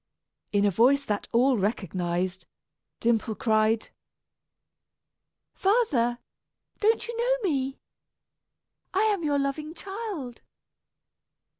In a voice that all recognized, Dimple cried: "Father, don't you know me? I am your loving child."